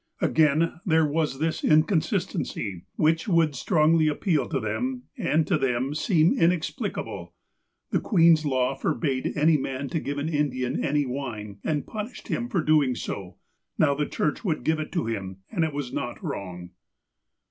Again, there was this inconsistency, which would strongly appeal to them, and to them seem inexplicable. The Queen's law forbade any man to give an Indian any wine, and punished him for doing so. Now the church would give it to him, and it was not wrong.